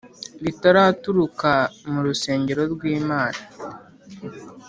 Riraturuka mu rusengero rwimana